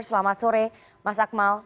selamat sore mas akmal